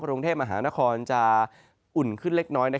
กรุงเทพมหานครจะอุ่นขึ้นเล็กน้อย